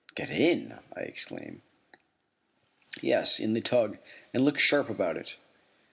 "Get in!" I exclaim. "Yes, in the tug, and look sharp about it."